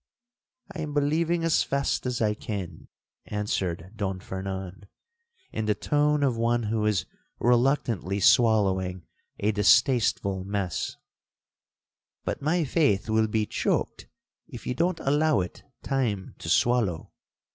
'—'I am believing as fast as I can,' answered Don Fernan, in the tone of one who is reluctantly swallowing a distasteful mess; 'but my faith will be choaked if you don't allow it time to swallow.